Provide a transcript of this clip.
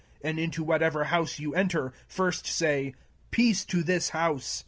5 And^ into wliataeK ever house ye enter, first aay, < Peace be to this house.'